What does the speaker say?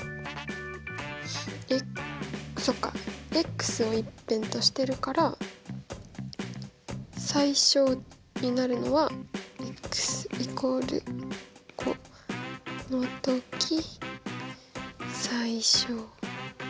えっそっか！を１辺としてるから最小になるのは＝５のとき最小。